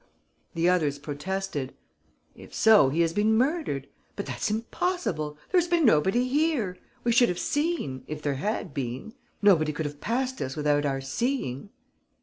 The others protested: "If so, he has been murdered. But that's impossible! There has been nobody here. We should have seen, if there had been. Nobody could have passed us without our seeing...."